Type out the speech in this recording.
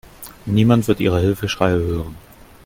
Niemand wird Ihre Hilfeschreie hören.